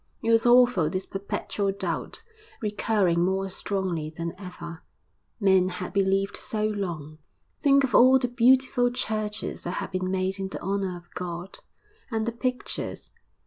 It was awful this perpetual doubt, recurring more strongly than ever. Men had believed so long. Think of all the beautiful churches that had been made in the honour of God, and the pictures.